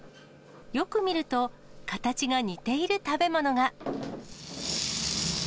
よく見ると、形が似ている食べ物が。